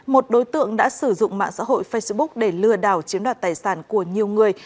một đối tượng đã sử dụng mạng xã hội facebook để lừa đảo chiếm đoạt tài sản của nhiều người